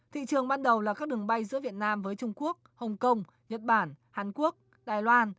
thị trường ban đầu là các đường bay giữa việt nam với trung quốc hồng kông nhật bản hàn quốc đài loan